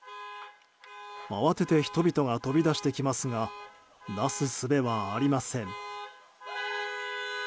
慌てて人々が飛び出してきますがなすすべはありません。